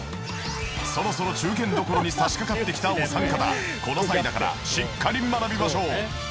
そろそろ中堅どころに差し掛かってきたお三方この際だからしっかり学びましょう！